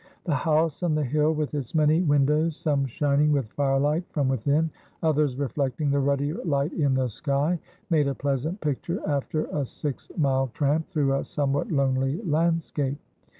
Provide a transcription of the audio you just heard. The house on the hill, with its many win dows, some shining with firelight from within, others reflecting the ruddier light in the sky, made a pleasant picture after a six mile tramp through a somewhat lonely landscape.